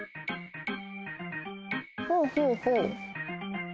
ほうほうほう。